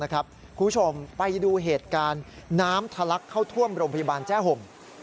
คุณผู้ชมไปดูเหตุการณ์น้ำทะลักเข้าท่วมโรงพยาบาลแจ้ห่ม